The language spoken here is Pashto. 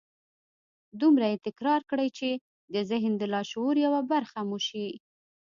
دومره يې تکرار کړئ چې د ذهن د لاشعور يوه برخه مو شي.